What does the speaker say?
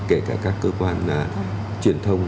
kể cả các cơ quan truyền thông